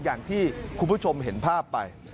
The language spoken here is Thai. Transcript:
อย่างที่คุณผู้ชมเห็นภาพไป